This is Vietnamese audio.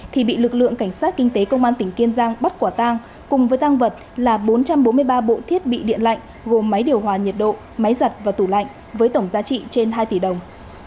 thì bị lực lượng cảnh sát kinh tế công an tỉnh kiên giang bắt quả tang cùng với tăng vật là bốn trăm bốn mươi ba bộ thiết bị điện lạnh gồm máy điều hòa nhiệt độ máy giặt và tủ lạnh với tổng giá trị trên hai tỷ đồng